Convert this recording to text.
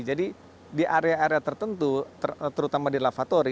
jadi di area area tertentu terutama di lavatory